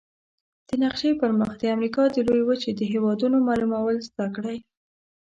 د نقشي پر مخ د امریکا د لویې وچې د هېوادونو معلومول زده کړئ.